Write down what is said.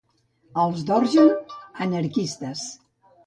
Els d'Ogern, anarquistes.